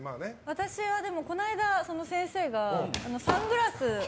私はこの間先生がサングラス。